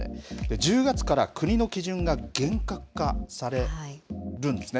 １０月から国の基準が厳格化されるんですね